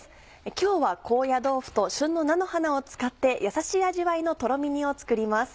今日は高野豆腐と旬の菜の花を使って優しい味わいのとろみ煮を作ります。